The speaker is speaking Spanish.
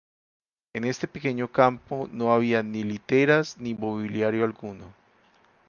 En este pequeño campo, no había ni literas, ni mobiliario alguno.